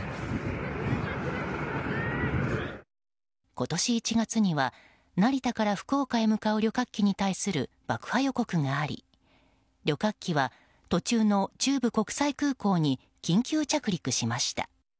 今年１月には、成田から福岡へ向かう旅客機に対する爆破予告があり旅客機は途中の中部国際空港に緊急着陸しました。